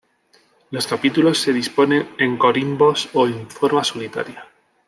Los capítulos se disponen en corimbos o en forma solitaria.